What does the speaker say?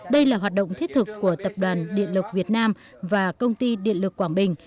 đây là hoạt động thiết thực của tập đoàn điện lực việt nam và công ty điện lực quảng bình